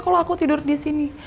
kalau aku tidur disini